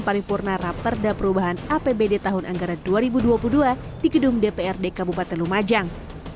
paripurna raperda perubahan apbd tahun anggaran dua ribu dua puluh dua di gedung dprd kabupaten lumajang